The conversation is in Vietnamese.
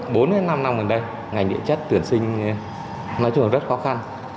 khoảng bốn năm năm gần đây ngành điện chất tuyển sinh nói chung là rất khó khăn